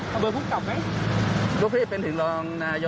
คุณขยับขอผมไม่ได้ขอรอมีสังสรรค์กระยับทำไมอ่ะ